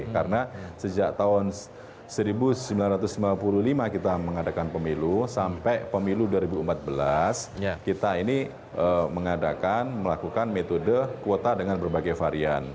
karena sejak tahun seribu sembilan ratus sembilan puluh lima kita mengadakan pemilu sampai pemilu dua ribu empat belas kita ini mengadakan melakukan metode kuota dengan berbagai varian